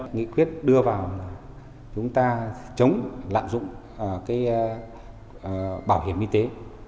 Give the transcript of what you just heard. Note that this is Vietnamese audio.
nghị quyết đưa vào là chúng ta chống lạm dụng bảo hiểm y tế